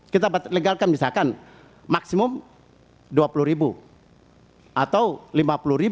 kita legalkan misalkan maksimum rp dua puluh